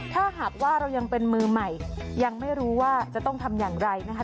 ถ้าหากว่าเรายังเป็นมือใหม่ยังไม่รู้ว่าจะต้องทำอย่างไรนะคะ